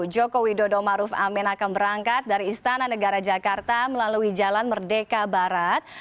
joko widodo maruf amin akan berangkat dari istana negara jakarta melalui jalan merdeka barat